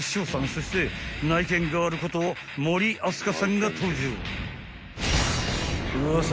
そして内見ガールこと森明日香さんが登場］